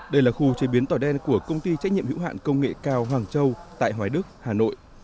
đây là khu chế biến tỏi đen của công ty trách nhiệm hữu hạn công nghệ cao hoàng châu tại hoài đức hà nội